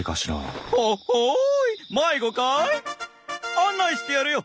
案内してやるよ。